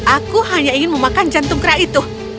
aku hanya ingin memakan jantung kera itu